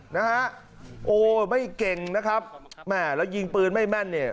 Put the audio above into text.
นะฮะโอ้ไม่เก่งนะครับแม่แล้วยิงปืนไม่แม่นเนี่ย